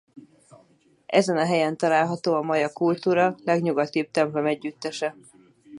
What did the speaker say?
Ezen a helyen található a maja kultúra legnyugatibb templomegyüttese.